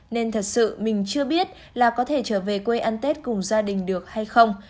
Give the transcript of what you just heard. nên thật sự mình chưa biết là có thể trở về quê ăn tết cùng gia đình được hay không